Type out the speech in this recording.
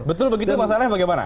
betul begitu masalahnya bagaimana